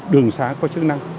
đường xá có chức năng